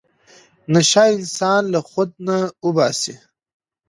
نشه انسان له خود نه اوباسي.